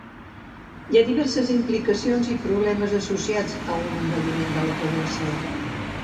Hi ha diverses implicacions i problemes associats a un envelliment de la població.